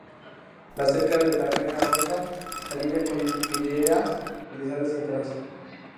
La cerca de la reja rosa se alinea con vidrieras, realizadas en Francia.